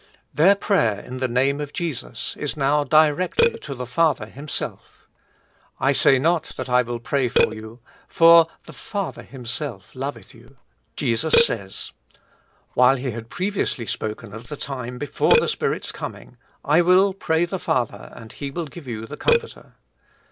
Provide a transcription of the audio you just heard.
Their prayer in the Name of Jesus is now directly to the Father Himself. ^ I say not that I will pray lox you, for the Father Himself loveth you,' Jesus says ; while He had previously spoken of the time before the Spirit's coming: '' I will pray the Father, and He \i\\\ give you the Comforter.'